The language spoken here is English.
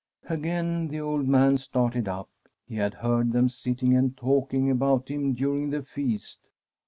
Again the old man started up. He had heard them sitting and talking about him during the feast.